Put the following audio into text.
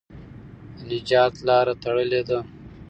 د نجات لاره تړلې ده.